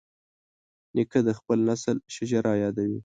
نیکه د خپل نسل شجره یادوي.